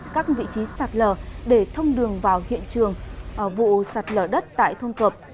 các vị trí sạt lở để thông đường vào hiện trường vụ sạt lở đất tại thôn cợp